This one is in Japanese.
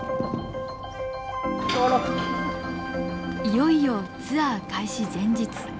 いよいよツアー開始前日。